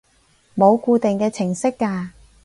冇固定嘅程式㗎